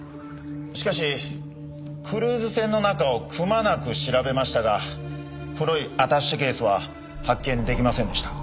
しかしクルーズ船の中をくまなく調べましたが黒いアタッシェケースは発見できませんでした。